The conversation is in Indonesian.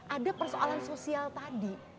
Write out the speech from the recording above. ada persoalan sosial tadi